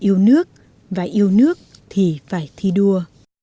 yêu nước và yêu nước thì phải thi đua